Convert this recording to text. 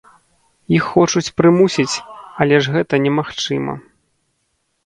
Іх хочуць прымусіць, але ж гэта немагчыма.